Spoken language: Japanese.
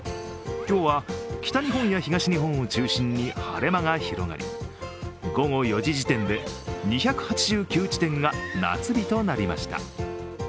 今日は北日本や東日本を中心に晴れ間が広がり午後４時時点で２８９地点が夏日となりました。